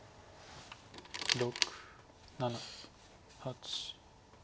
６７８。